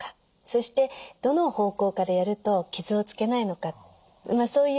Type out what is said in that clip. そしてどの方向からやると傷をつけないのかそういった手順。